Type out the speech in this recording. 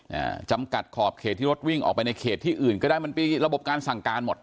อ่าจำกัดขอบเขตที่รถวิ่งออกไปในเขตที่อื่นก็ได้มันมีระบบการสั่งการหมด